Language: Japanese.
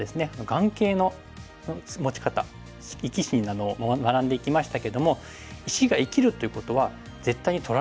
眼形の持ち方生き死になどを学んでいきましたけども石が生きるということは絶対に取られないですよね。